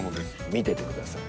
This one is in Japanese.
見ててください。